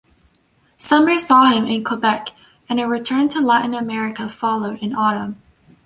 Summer saw him in Quebec, and a return to Latin America followed in autumn.